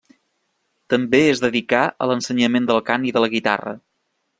També es dedicà a l'ensenyament del cant i de la guitarra.